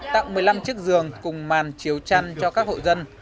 tặng một mươi năm chiếc giường cùng màn chiếu chăn cho các hộ dân